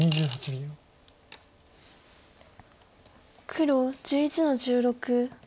黒１１の十六。